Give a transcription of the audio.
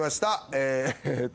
えーっと。